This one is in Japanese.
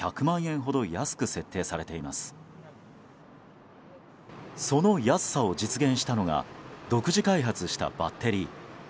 その安さを実現したのが独自開発したバッテリー。